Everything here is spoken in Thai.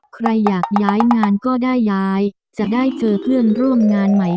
ใครอยากย้ายงานก็ได้ย้ายจะได้เจอเพื่อนร่วมงานใหม่